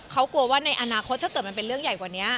เขากลัวว่าในอนาคตถ้าเกิดมันเป็นเรื่องใหญ่กว่านี้